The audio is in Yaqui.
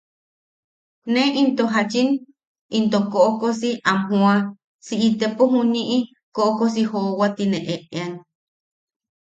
Ne into jachin into koʼokosi am jooa si itepo juniʼi koʼokosi joowa tine eʼean.